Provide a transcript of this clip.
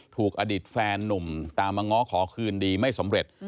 ถูกอดีตแฟนนุ่มตามมาง้อขอคืนดีไม่สำเร็จ